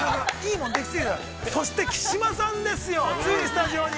そして、木嶋さんですよ、ついスタジオに。